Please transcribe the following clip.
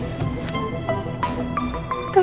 jatuh lah precious